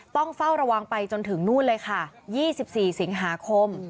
ต้องเฝ้าระวังไปจนถึงนู่นเลยค่ะ๒๔สิงหาคม